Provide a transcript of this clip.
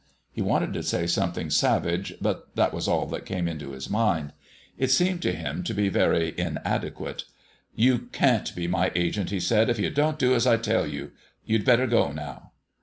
He wanted to say something savage, but that was all that came into his mind. It seemed to him to be very inadequate. "You can't be my agent," he said, "if you don't do as I tell you. You'd better go now."